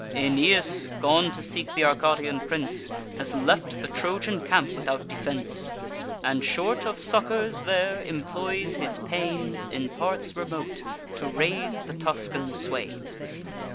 Aeneas, gone to seek th' Arcadian prince, Has left the Trojan camp without defence; And, short of succours there, employs his pains In parts remote to raise the Tuscan swains.